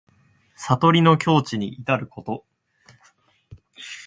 悟りの境地にいたること。